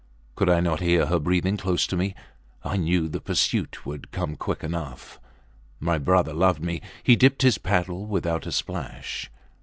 Could I not hear her breathing close to me? I knew the pursuit would come quick enough. My brother loved me. He dipped his paddle without a splash.